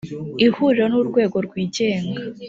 ihuriro ni urwego rwigenga